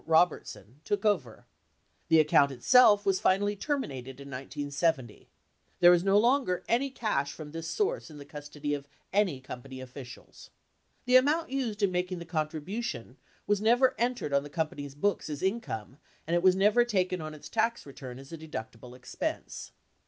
Robertson, took over. The account itself was finally terminated in 1970. There is no longer any cash from this source in the custody of any company officials. The amount used in making the contribution was never entered on the company's books as income, and it was never taken on its tax return as a deductible expense.